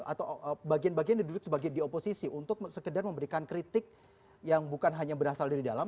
atau bagian bagian yang duduk sebagai di oposisi untuk sekedar memberikan kritik yang bukan hanya berasal dari dalam